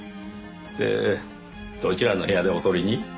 でどちらの部屋でお撮りに？